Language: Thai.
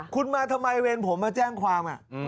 คุณมาทำไมเวรผมมาแจ้งความ